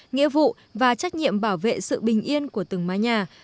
nghĩa vụ và trách nhiệm bảo vệ sự bình yên của từng mái nhà